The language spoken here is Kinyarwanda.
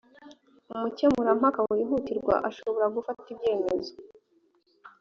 umukemurampaka wihutirwa ashobora gufata ibyemezo